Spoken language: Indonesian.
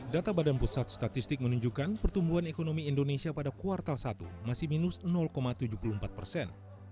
data badan pusat statistik menunjukkan pertumbuhan ekonomi indonesia pada kuartal satu masih minus tujuh puluh empat persen